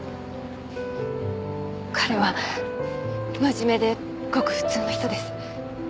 彼は真面目でごく普通の人です。